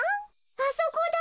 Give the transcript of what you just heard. あそこだ！